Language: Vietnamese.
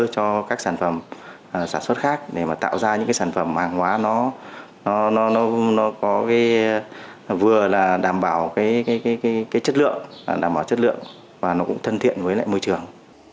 các sản phẩm sản xuất khác để tạo ra những sản phẩm hàng hóa vừa đảm bảo chất lượng và thân thiện với môi trường